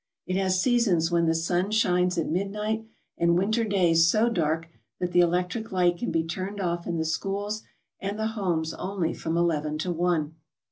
It has season* when the sun shines at midnight, and winter days so dark that the electric light can be turned off in the schools and the homes only from eleven to one.